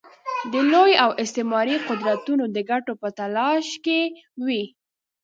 د لوی او استعماري قدرتونه د ګټو په تلاښ کې وي.